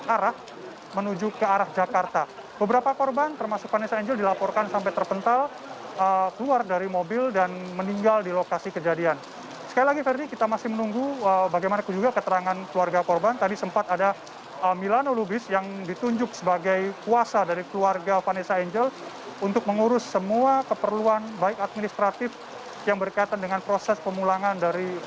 ada juga satu orang yang merupakan pengasuh anak dari pasangan tersebut yang juga berada di posisi kedua dari kendaraan tersebut